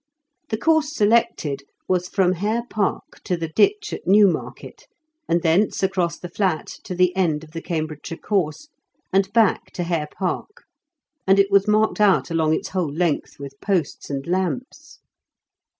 The course selected was from Hare Park to the Ditch at Newmarket, and thence across the Flat to the end of the Cambridgeshire Course, and back to Hare Park ; and it was marked out along its whole length with posts and lamps.